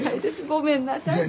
ごめんなさい。